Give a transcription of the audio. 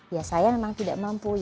ya saya memang tidak mampu